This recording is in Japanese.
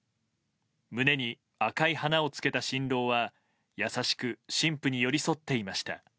胸に赤い花をつけた新郎は優しく新婦に寄り添っていました。